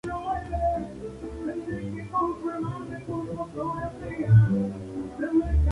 Defendieron su título en la siguiente temporada al enfrentarse al Benfica en la Final.